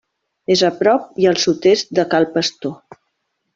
És a prop i al sud-est de Cal Pastor.